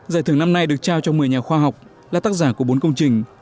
giải thưởng năm nay được trao cho một mươi nhà khoa học là tác giả của bốn công trình